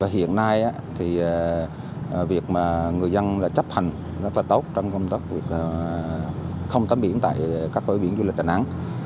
hiện nay thì việc mà người dân chấp hành rất là tốt trong công tác không tắm biển tại các bãi biển du lịch đà nẵng